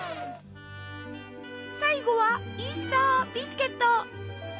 最後はイースタービスケット！